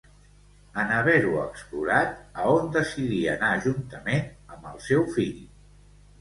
En haver-ho explorat, a on decidí anar juntament amb el seu fill?